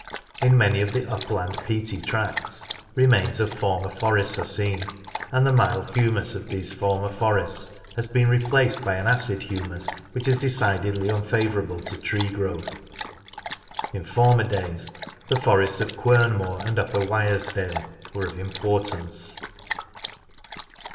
In many of the upland peaty tracts remains of former forests are seen, and the mild humus of these former forests has been replaced by an acid humus which is decidedly unfavourable to tree growth. In former days the forests of Quernmore and Upper Wyres dale were of importance.